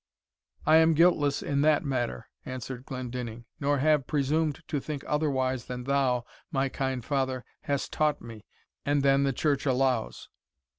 "I am guiltless in that matter," answered Glendinning, "nor have presumed to think otherwise than thou, my kind father, hast taught me, and than the Church allows."